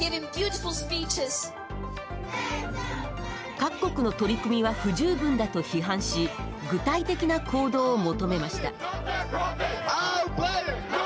各国の取り組みは不十分だと批判し具体的な行動を求めました。